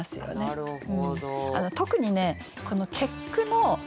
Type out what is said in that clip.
なるほど。